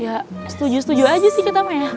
ya setuju setuju aja sih kita mah ya